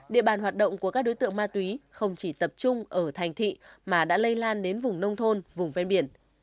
địa bàn hoạt động của các đối tượng ma túy không chỉ tập trung ở thành thị mà đã lây lan đến vùng nông thôn vùng ven biển